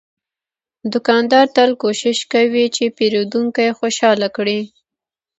دوکاندار تل کوشش کوي چې پیرودونکی خوشاله کړي.